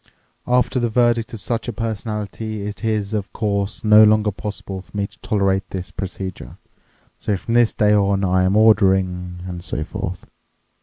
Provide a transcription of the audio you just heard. After the verdict of such a personality it is, of course, no longer possible for me to tolerate this procedure. So from this day on I am ordering ... and so forth.